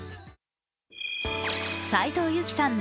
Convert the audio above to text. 斉藤由貴さん